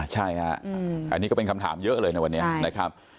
ใช่อันนี้ก็เป็นคำถามเยอะเลยในวันนี้